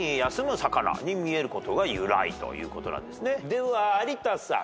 では有田さん。